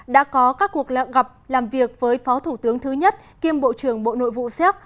đã có các cuộc gặp làm việc với phó thủ tướng thứ nhất kiêm bộ trưởng bộ nội vụ xếp